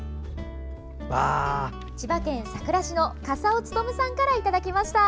千葉県佐倉市の笠尾勉さんからいただきました。